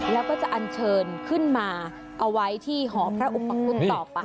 แล้วก็จะอันเชิญขึ้นมาเอาไว้ที่หอพระอุปคุฎต่อไป